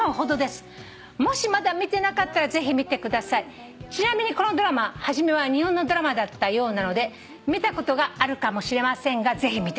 「もしまだ見てなかったらぜひ見てください」「ちなみにこのドラマ初めは日本のドラマだったようなので見たことがあるかもしれませんがぜひ見てください」